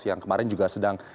yang kemarin juga sedang